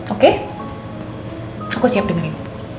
oke aku siap dengerin